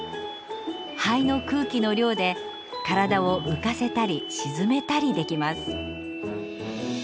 肺の空気の量で体を浮かせたり沈めたりできます。